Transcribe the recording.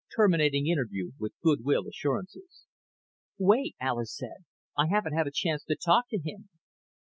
TERMINATING INTERVIEW WITH GOOD WILL ASSURANCES "Wait," Alis said. "I haven't had a chance to talk to him."